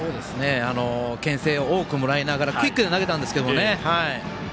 けん制を多くもらいながらクイックで投げたんですけどね。